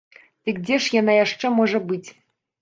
Дык дзе ж яна яшчэ можа быць?